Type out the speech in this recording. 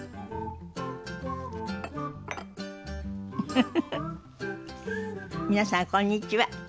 フフフフ皆さんこんにちは。